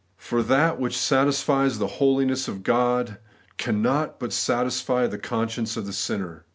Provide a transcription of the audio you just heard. For that which satisfies the holiness of God cannot but satisfy the conscience of the sinner.